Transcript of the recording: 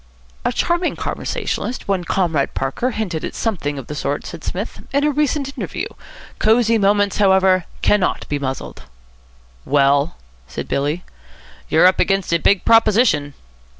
"A charming conversationalist, one Comrade Parker, hinted at something of the sort," said Psmith, "in a recent interview. Cosy Moments, however, cannot be muzzled." "Well?" said Billy. "You're up against a big proposition."